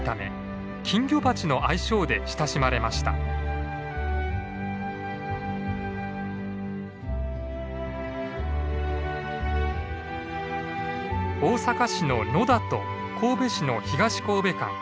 大阪市の野田と神戸市の東神戸間全長２６キロ。